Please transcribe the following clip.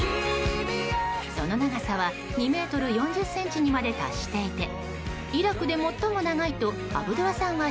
その長さは２ｍ４０ｃｍにまで達していてイラクで最も長いとアブドゥラさんは